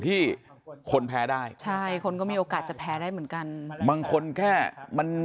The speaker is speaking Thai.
ที่คนแพ้ได้ใช่คนก็มีโอกาสจะแพ้ได้เหมือนกันบางคนแค่มัน